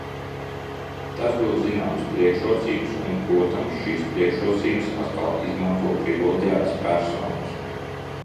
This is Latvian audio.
Tas dod zināmas priekšrocības, un, protams, šīs priekšrocības atkal izmanto privileģētas personas.